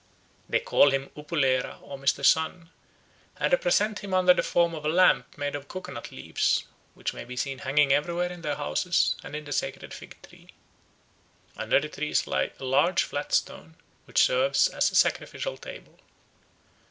They call him Upu lera or Mr. Sun, and represent him under the form of a lamp made of coco nut leaves, which may be seen hanging everywhere in their houses and in the sacred fig tree. Under the tree lies a large flat stone, which serves as a sacrificial table.